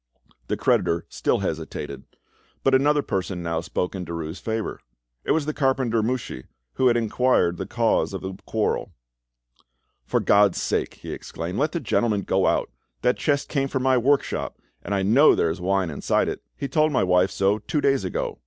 The creditor still hesitated, but, another person now spoke in Derues' favour; it was the carpenter Mouchy, who had inquired the cause of the quarrel. "For God's sake," he exclaimed, "let the gentleman go on. That chest came from my workshop, and I know there is wine inside it; he told my wife so two days ago."